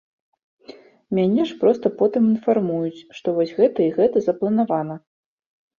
Мяне ж проста потым інфармуюць, што вось гэта і гэта запланавана.